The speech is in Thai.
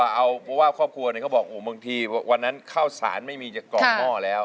เอาเพราะว่าครอบครัวเนี่ยเขาบอกโอ้โหบางทีวันนั้นข้าวสารไม่มีจะกรอกหม้อแล้ว